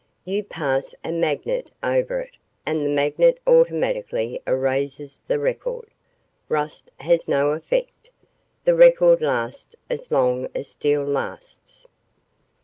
"You pass a magnet over it and the magnet automatically erases the record. Rust has no effect. The record lasts as long as steel lasts."